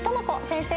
先生！